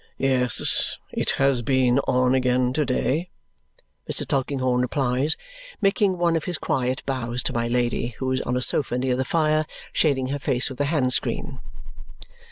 "Yes. It has been on again to day," Mr. Tulkinghorn replies, making one of his quiet bows to my Lady, who is on a sofa near the fire, shading her face with a hand screen.